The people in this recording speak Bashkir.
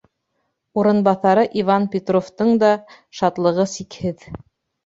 Урынбаҫары Иван Петровтың да шатлығы сикһеҙ.